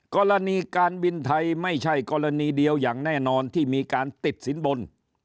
กรณีการบินไทยไม่ใช่กรณีเดียวอย่างแน่นอนที่มีการติดสินบน